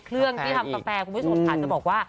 เครื่องที่ทำกาแฟคุณผู้ชมค่ะจะบอกว่า